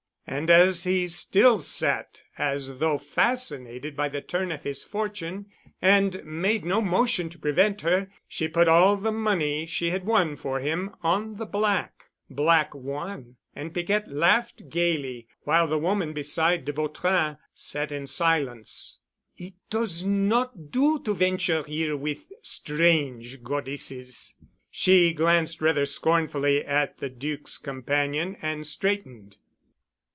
And as he still sat as though fascinated by the turn of his fortune, and made no motion to prevent her, she put all the money she had won for him on the black. Black won and Piquette laughed gayly, while the woman beside de Vautrin sat in silence. "It does not do to venture here with strange Goddesses." She glanced rather scornfully at the Duc's companion and straightened.